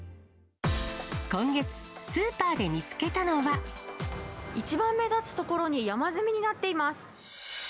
今月、一番目立つ所に、山積みになっています。